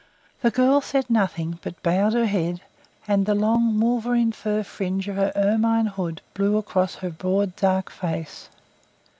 The girl said nothing, but bowed her head, and the long wolverine fur fringe of her ermine hood blew across her broad, dark face.